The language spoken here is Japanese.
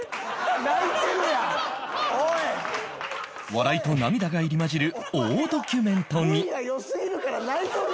笑いと涙が入り交じる大ドキュメントに